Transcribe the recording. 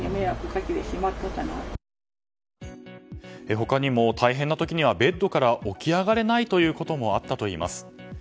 他にも大変な時にはベッドから起き上がれないこともあったといいます。